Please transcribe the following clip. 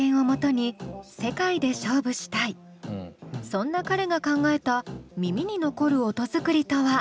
そんな彼が考えた耳に残る音作りとは？